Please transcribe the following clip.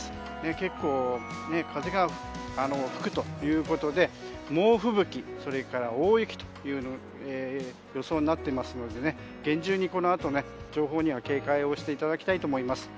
結構、風が吹くということで猛吹雪それから大雪という予想になっていますので厳重にこのあとの情報には警戒をしていただきたいと思います。